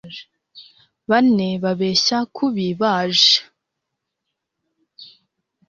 bane babeshya kubi baje